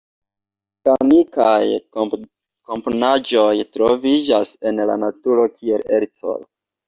La neorganikaj komponaĵoj troviĝas en la naturo kiel ercoj.